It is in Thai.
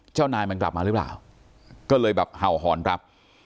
เจ้านายมันกลับมาหรือเปล่าก็เลยแบบเห่าหอนรับ